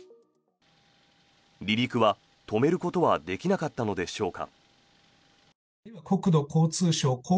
離陸は止めることはできなかったのでしょうか。